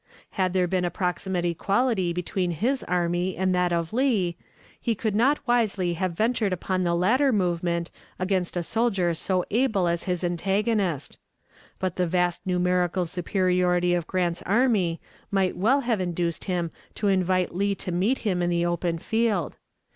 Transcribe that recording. Had there been approximate equality between his army and that of Lee, he could not wisely have ventured upon the latter movement against a soldier so able as his antagonist; but the vast numerical superiority of Grant's army might well have induced him to invite Lee to meet him in the open field.